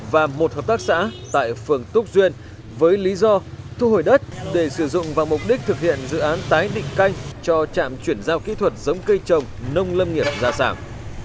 và một hợp tác xã tại phường túc duyên với lý do thu hồi đất để sử dụng và mục đích thực hiện dự án tái định canh cho trạm chuyển giao kỹ thuật tống cây trồng nông lập nghiệp đa dạng